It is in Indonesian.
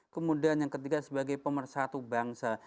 kemudian yang ketiga sebagai pemersatu bangsa